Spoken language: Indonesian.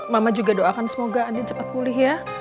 mama juga doakan semoga andin cepet pulih ya